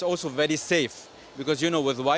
dan seperti ini ini juga sangat aman